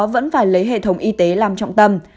vẫn phải lấy hệ thống y tế làm trọng tâm